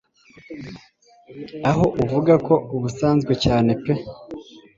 aho uvuga ko ubusanzwe cyane pe